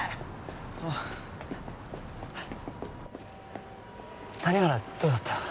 おう谷原どうだった？